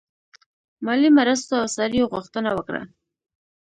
مالي مرستو او سړیو غوښتنه وکړه.